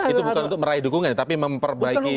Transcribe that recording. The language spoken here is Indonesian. itu bukan untuk meraih dukungan tapi memperbaiki